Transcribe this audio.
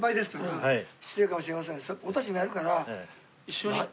私たちもやるから。